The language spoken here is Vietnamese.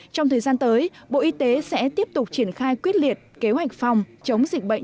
trong thời gian tới bộ y tế sẽ tiếp tục triển khai quyết liệt kế hoạch phòng chống dịch bệnh